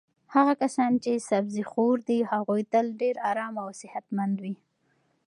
هغه کسان چې سبزي خور دي هغوی تل ډېر ارام او صحتمند وي.